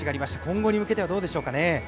今後に向けてはどうでしょうかね？